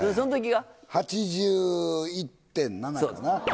８１．７かな。